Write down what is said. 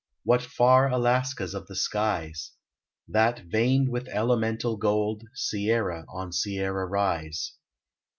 What far Alaskas of the skies! That, veined with elemental gold, Sierra on Sierra rise.